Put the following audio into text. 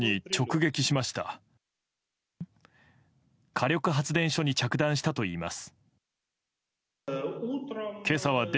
火力発電所に着弾したといいます。